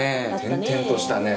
転々としたね。